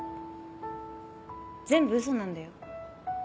全部嘘なんだよ。